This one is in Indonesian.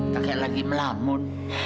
kakak lagi melamun